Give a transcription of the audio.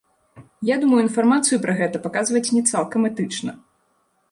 Я думаю, інфармацыю пра гэта паказваць не цалкам этычна.